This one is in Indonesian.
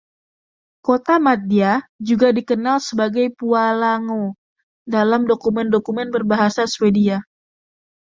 Kotamadya juga dikenal sebagai “Pualango” dalam dokumen-dokumen berbahasa Swedia.